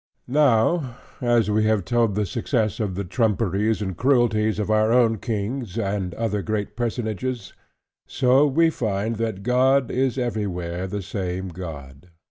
Now as we have told the success of the trumperies and cruelties of our own kings, and other great personages: so we find, that God is everywhere the same God.